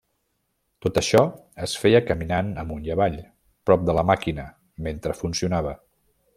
Tot això es feia caminant amunt i avall, prop de la màquina, mentre funcionava.